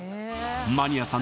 マニアさん